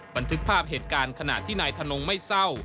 บันทึกภาพเหตุการณ์ขณะที่นายทนงไม่เศร้า